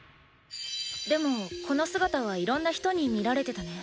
でもこの姿はいろんな人に見られてたね。